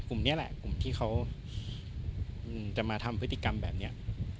กลุ่มนี้แหละกลุ่มที่เขาจะมาทำพฤติกรรมแบบนี้